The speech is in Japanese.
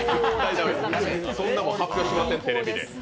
そんなもん発表しません、テレビで。